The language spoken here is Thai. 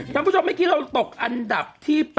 ทางผู้ชมไม่คิดว่าเราตกอัศวินัยยังอันดับที่๘